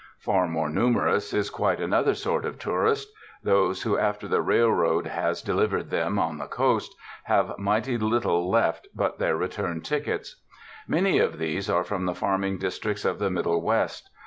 Far more numerous is quite another sort of tourist — those who after the railroad has de livered them on the Coast, have mighty little left but their return tickets. Many of these are from the farming districts of the Middle West.